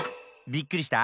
びっくりした？